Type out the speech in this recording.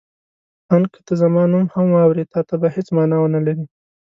آن که ته زما نوم هم واورې تا ته به هېڅ مانا ونه لري.